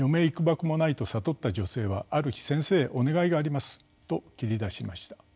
いくばくもないと悟った女性はある日「先生お願いがあります」と切り出しました。